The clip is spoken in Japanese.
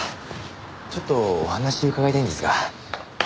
ちょっとお話伺いたいんですが。